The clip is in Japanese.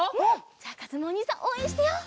じゃあかずむおにいさんおうえんしてよう。